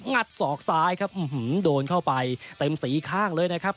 ศอกซ้ายครับโดนเข้าไปเต็มสีข้างเลยนะครับ